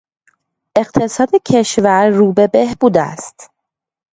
اقتصاد کشور رو به بهبود است.